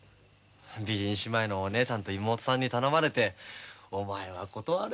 美人姉妹のお姉さんと妹さんに頼まれてお前は断れるか？